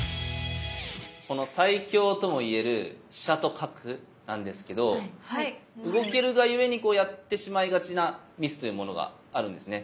この最強ともいえる飛車と角なんですけど動けるがゆえにやってしまいがちなミスというものがあるんですね。